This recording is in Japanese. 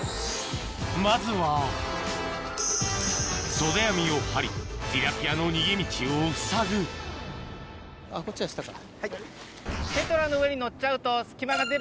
まずは袖網を張りティラピアの逃げ道をふさぐこっちは下か。